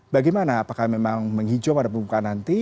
bagaimana apakah memang menghijau pada pembukaan nanti